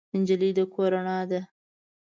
نجلۍ د کور رڼا ده.